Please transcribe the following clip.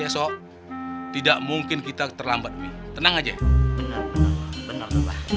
esok tidak mungkin kita terlambat tenang aja bener bener